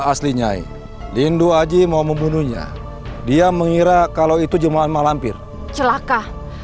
asli nyai lidu haji mau membunuhnya dia mengira kalau itu jemaat malampir celaka